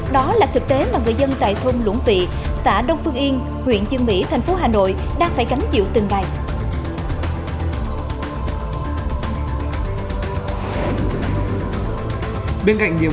đó là thực tế mà người dân tại thôn lũng vị xã đông phương yên huyện dương mỹ thành phố hà nội đang phải gánh chịu từng ngày